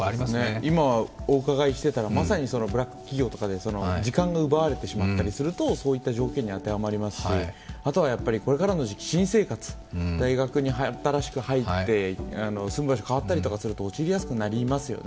今お伺いしていたのは、まさにブラック企業で働いているというのはそういった状況に当てはまりますし、あとはこれからの時期、新生活、大学に新しく入って、住む場所が変わると陥りやすくなりますよね。